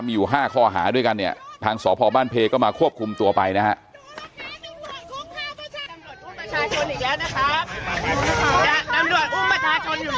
มีอยู่๕ข้อหาด้วยกันเนี่ยทางสพบ้านเพก็มาควบคุมตัวไปนะฮะ